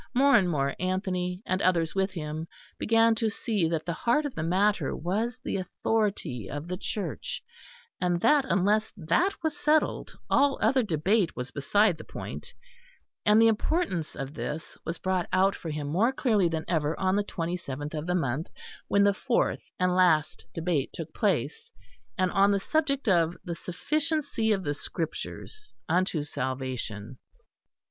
More and more Anthony, and others with him, began to see that the heart of the matter was the authority of the Church; and that unless that was settled, all other debate was beside the point; and the importance of this was brought out for him more clearly than ever on the 27th of the month, when the fourth and last debate took place, and on the subject of the sufficiency of the Scriptures unto salvation.